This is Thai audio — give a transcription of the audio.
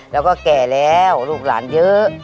แล้วก็แก่แล้วลูกหลานเยอะ